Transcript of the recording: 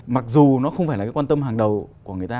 mặc dù nó không phải là cái quan tâm hàng đầu của người ta